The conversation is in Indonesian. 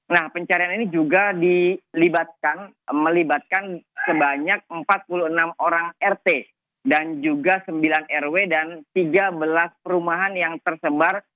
nah pencarian ini juga dilibatkan melibatkan sebanyak empat puluh enam orang rt dan juga sembilan rw dan tiga belas perumahan yang tersebar